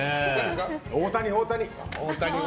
大谷、大谷！